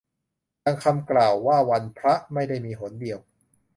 ดังคำกล่าวว่าวันพระไม่ได้มีหนเดียว